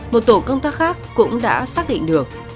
một tổ công tác khác cũng đã xác định được